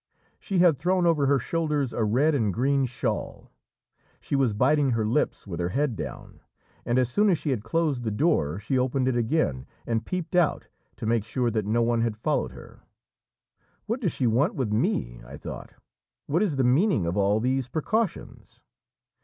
She had thrown over her shoulders a red and green shawl; she was biting her lips, with her head down, and as soon as she had closed the door she opened it again, and peeped out, to make sure that no one had followed her. "What does she want with me?" I thought; "what is the meaning of all these precautions?"